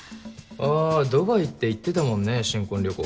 あぁドバイって言ってたもんね新婚旅行。